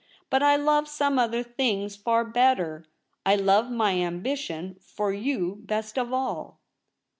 But I love some other things far better. I love my ambition for you best of all.'